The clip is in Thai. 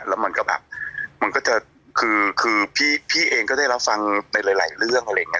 แล้วมันก็แบบมันก็จะคือพี่เองก็ได้รับฟังในหลายเรื่องอะไรอย่างนี้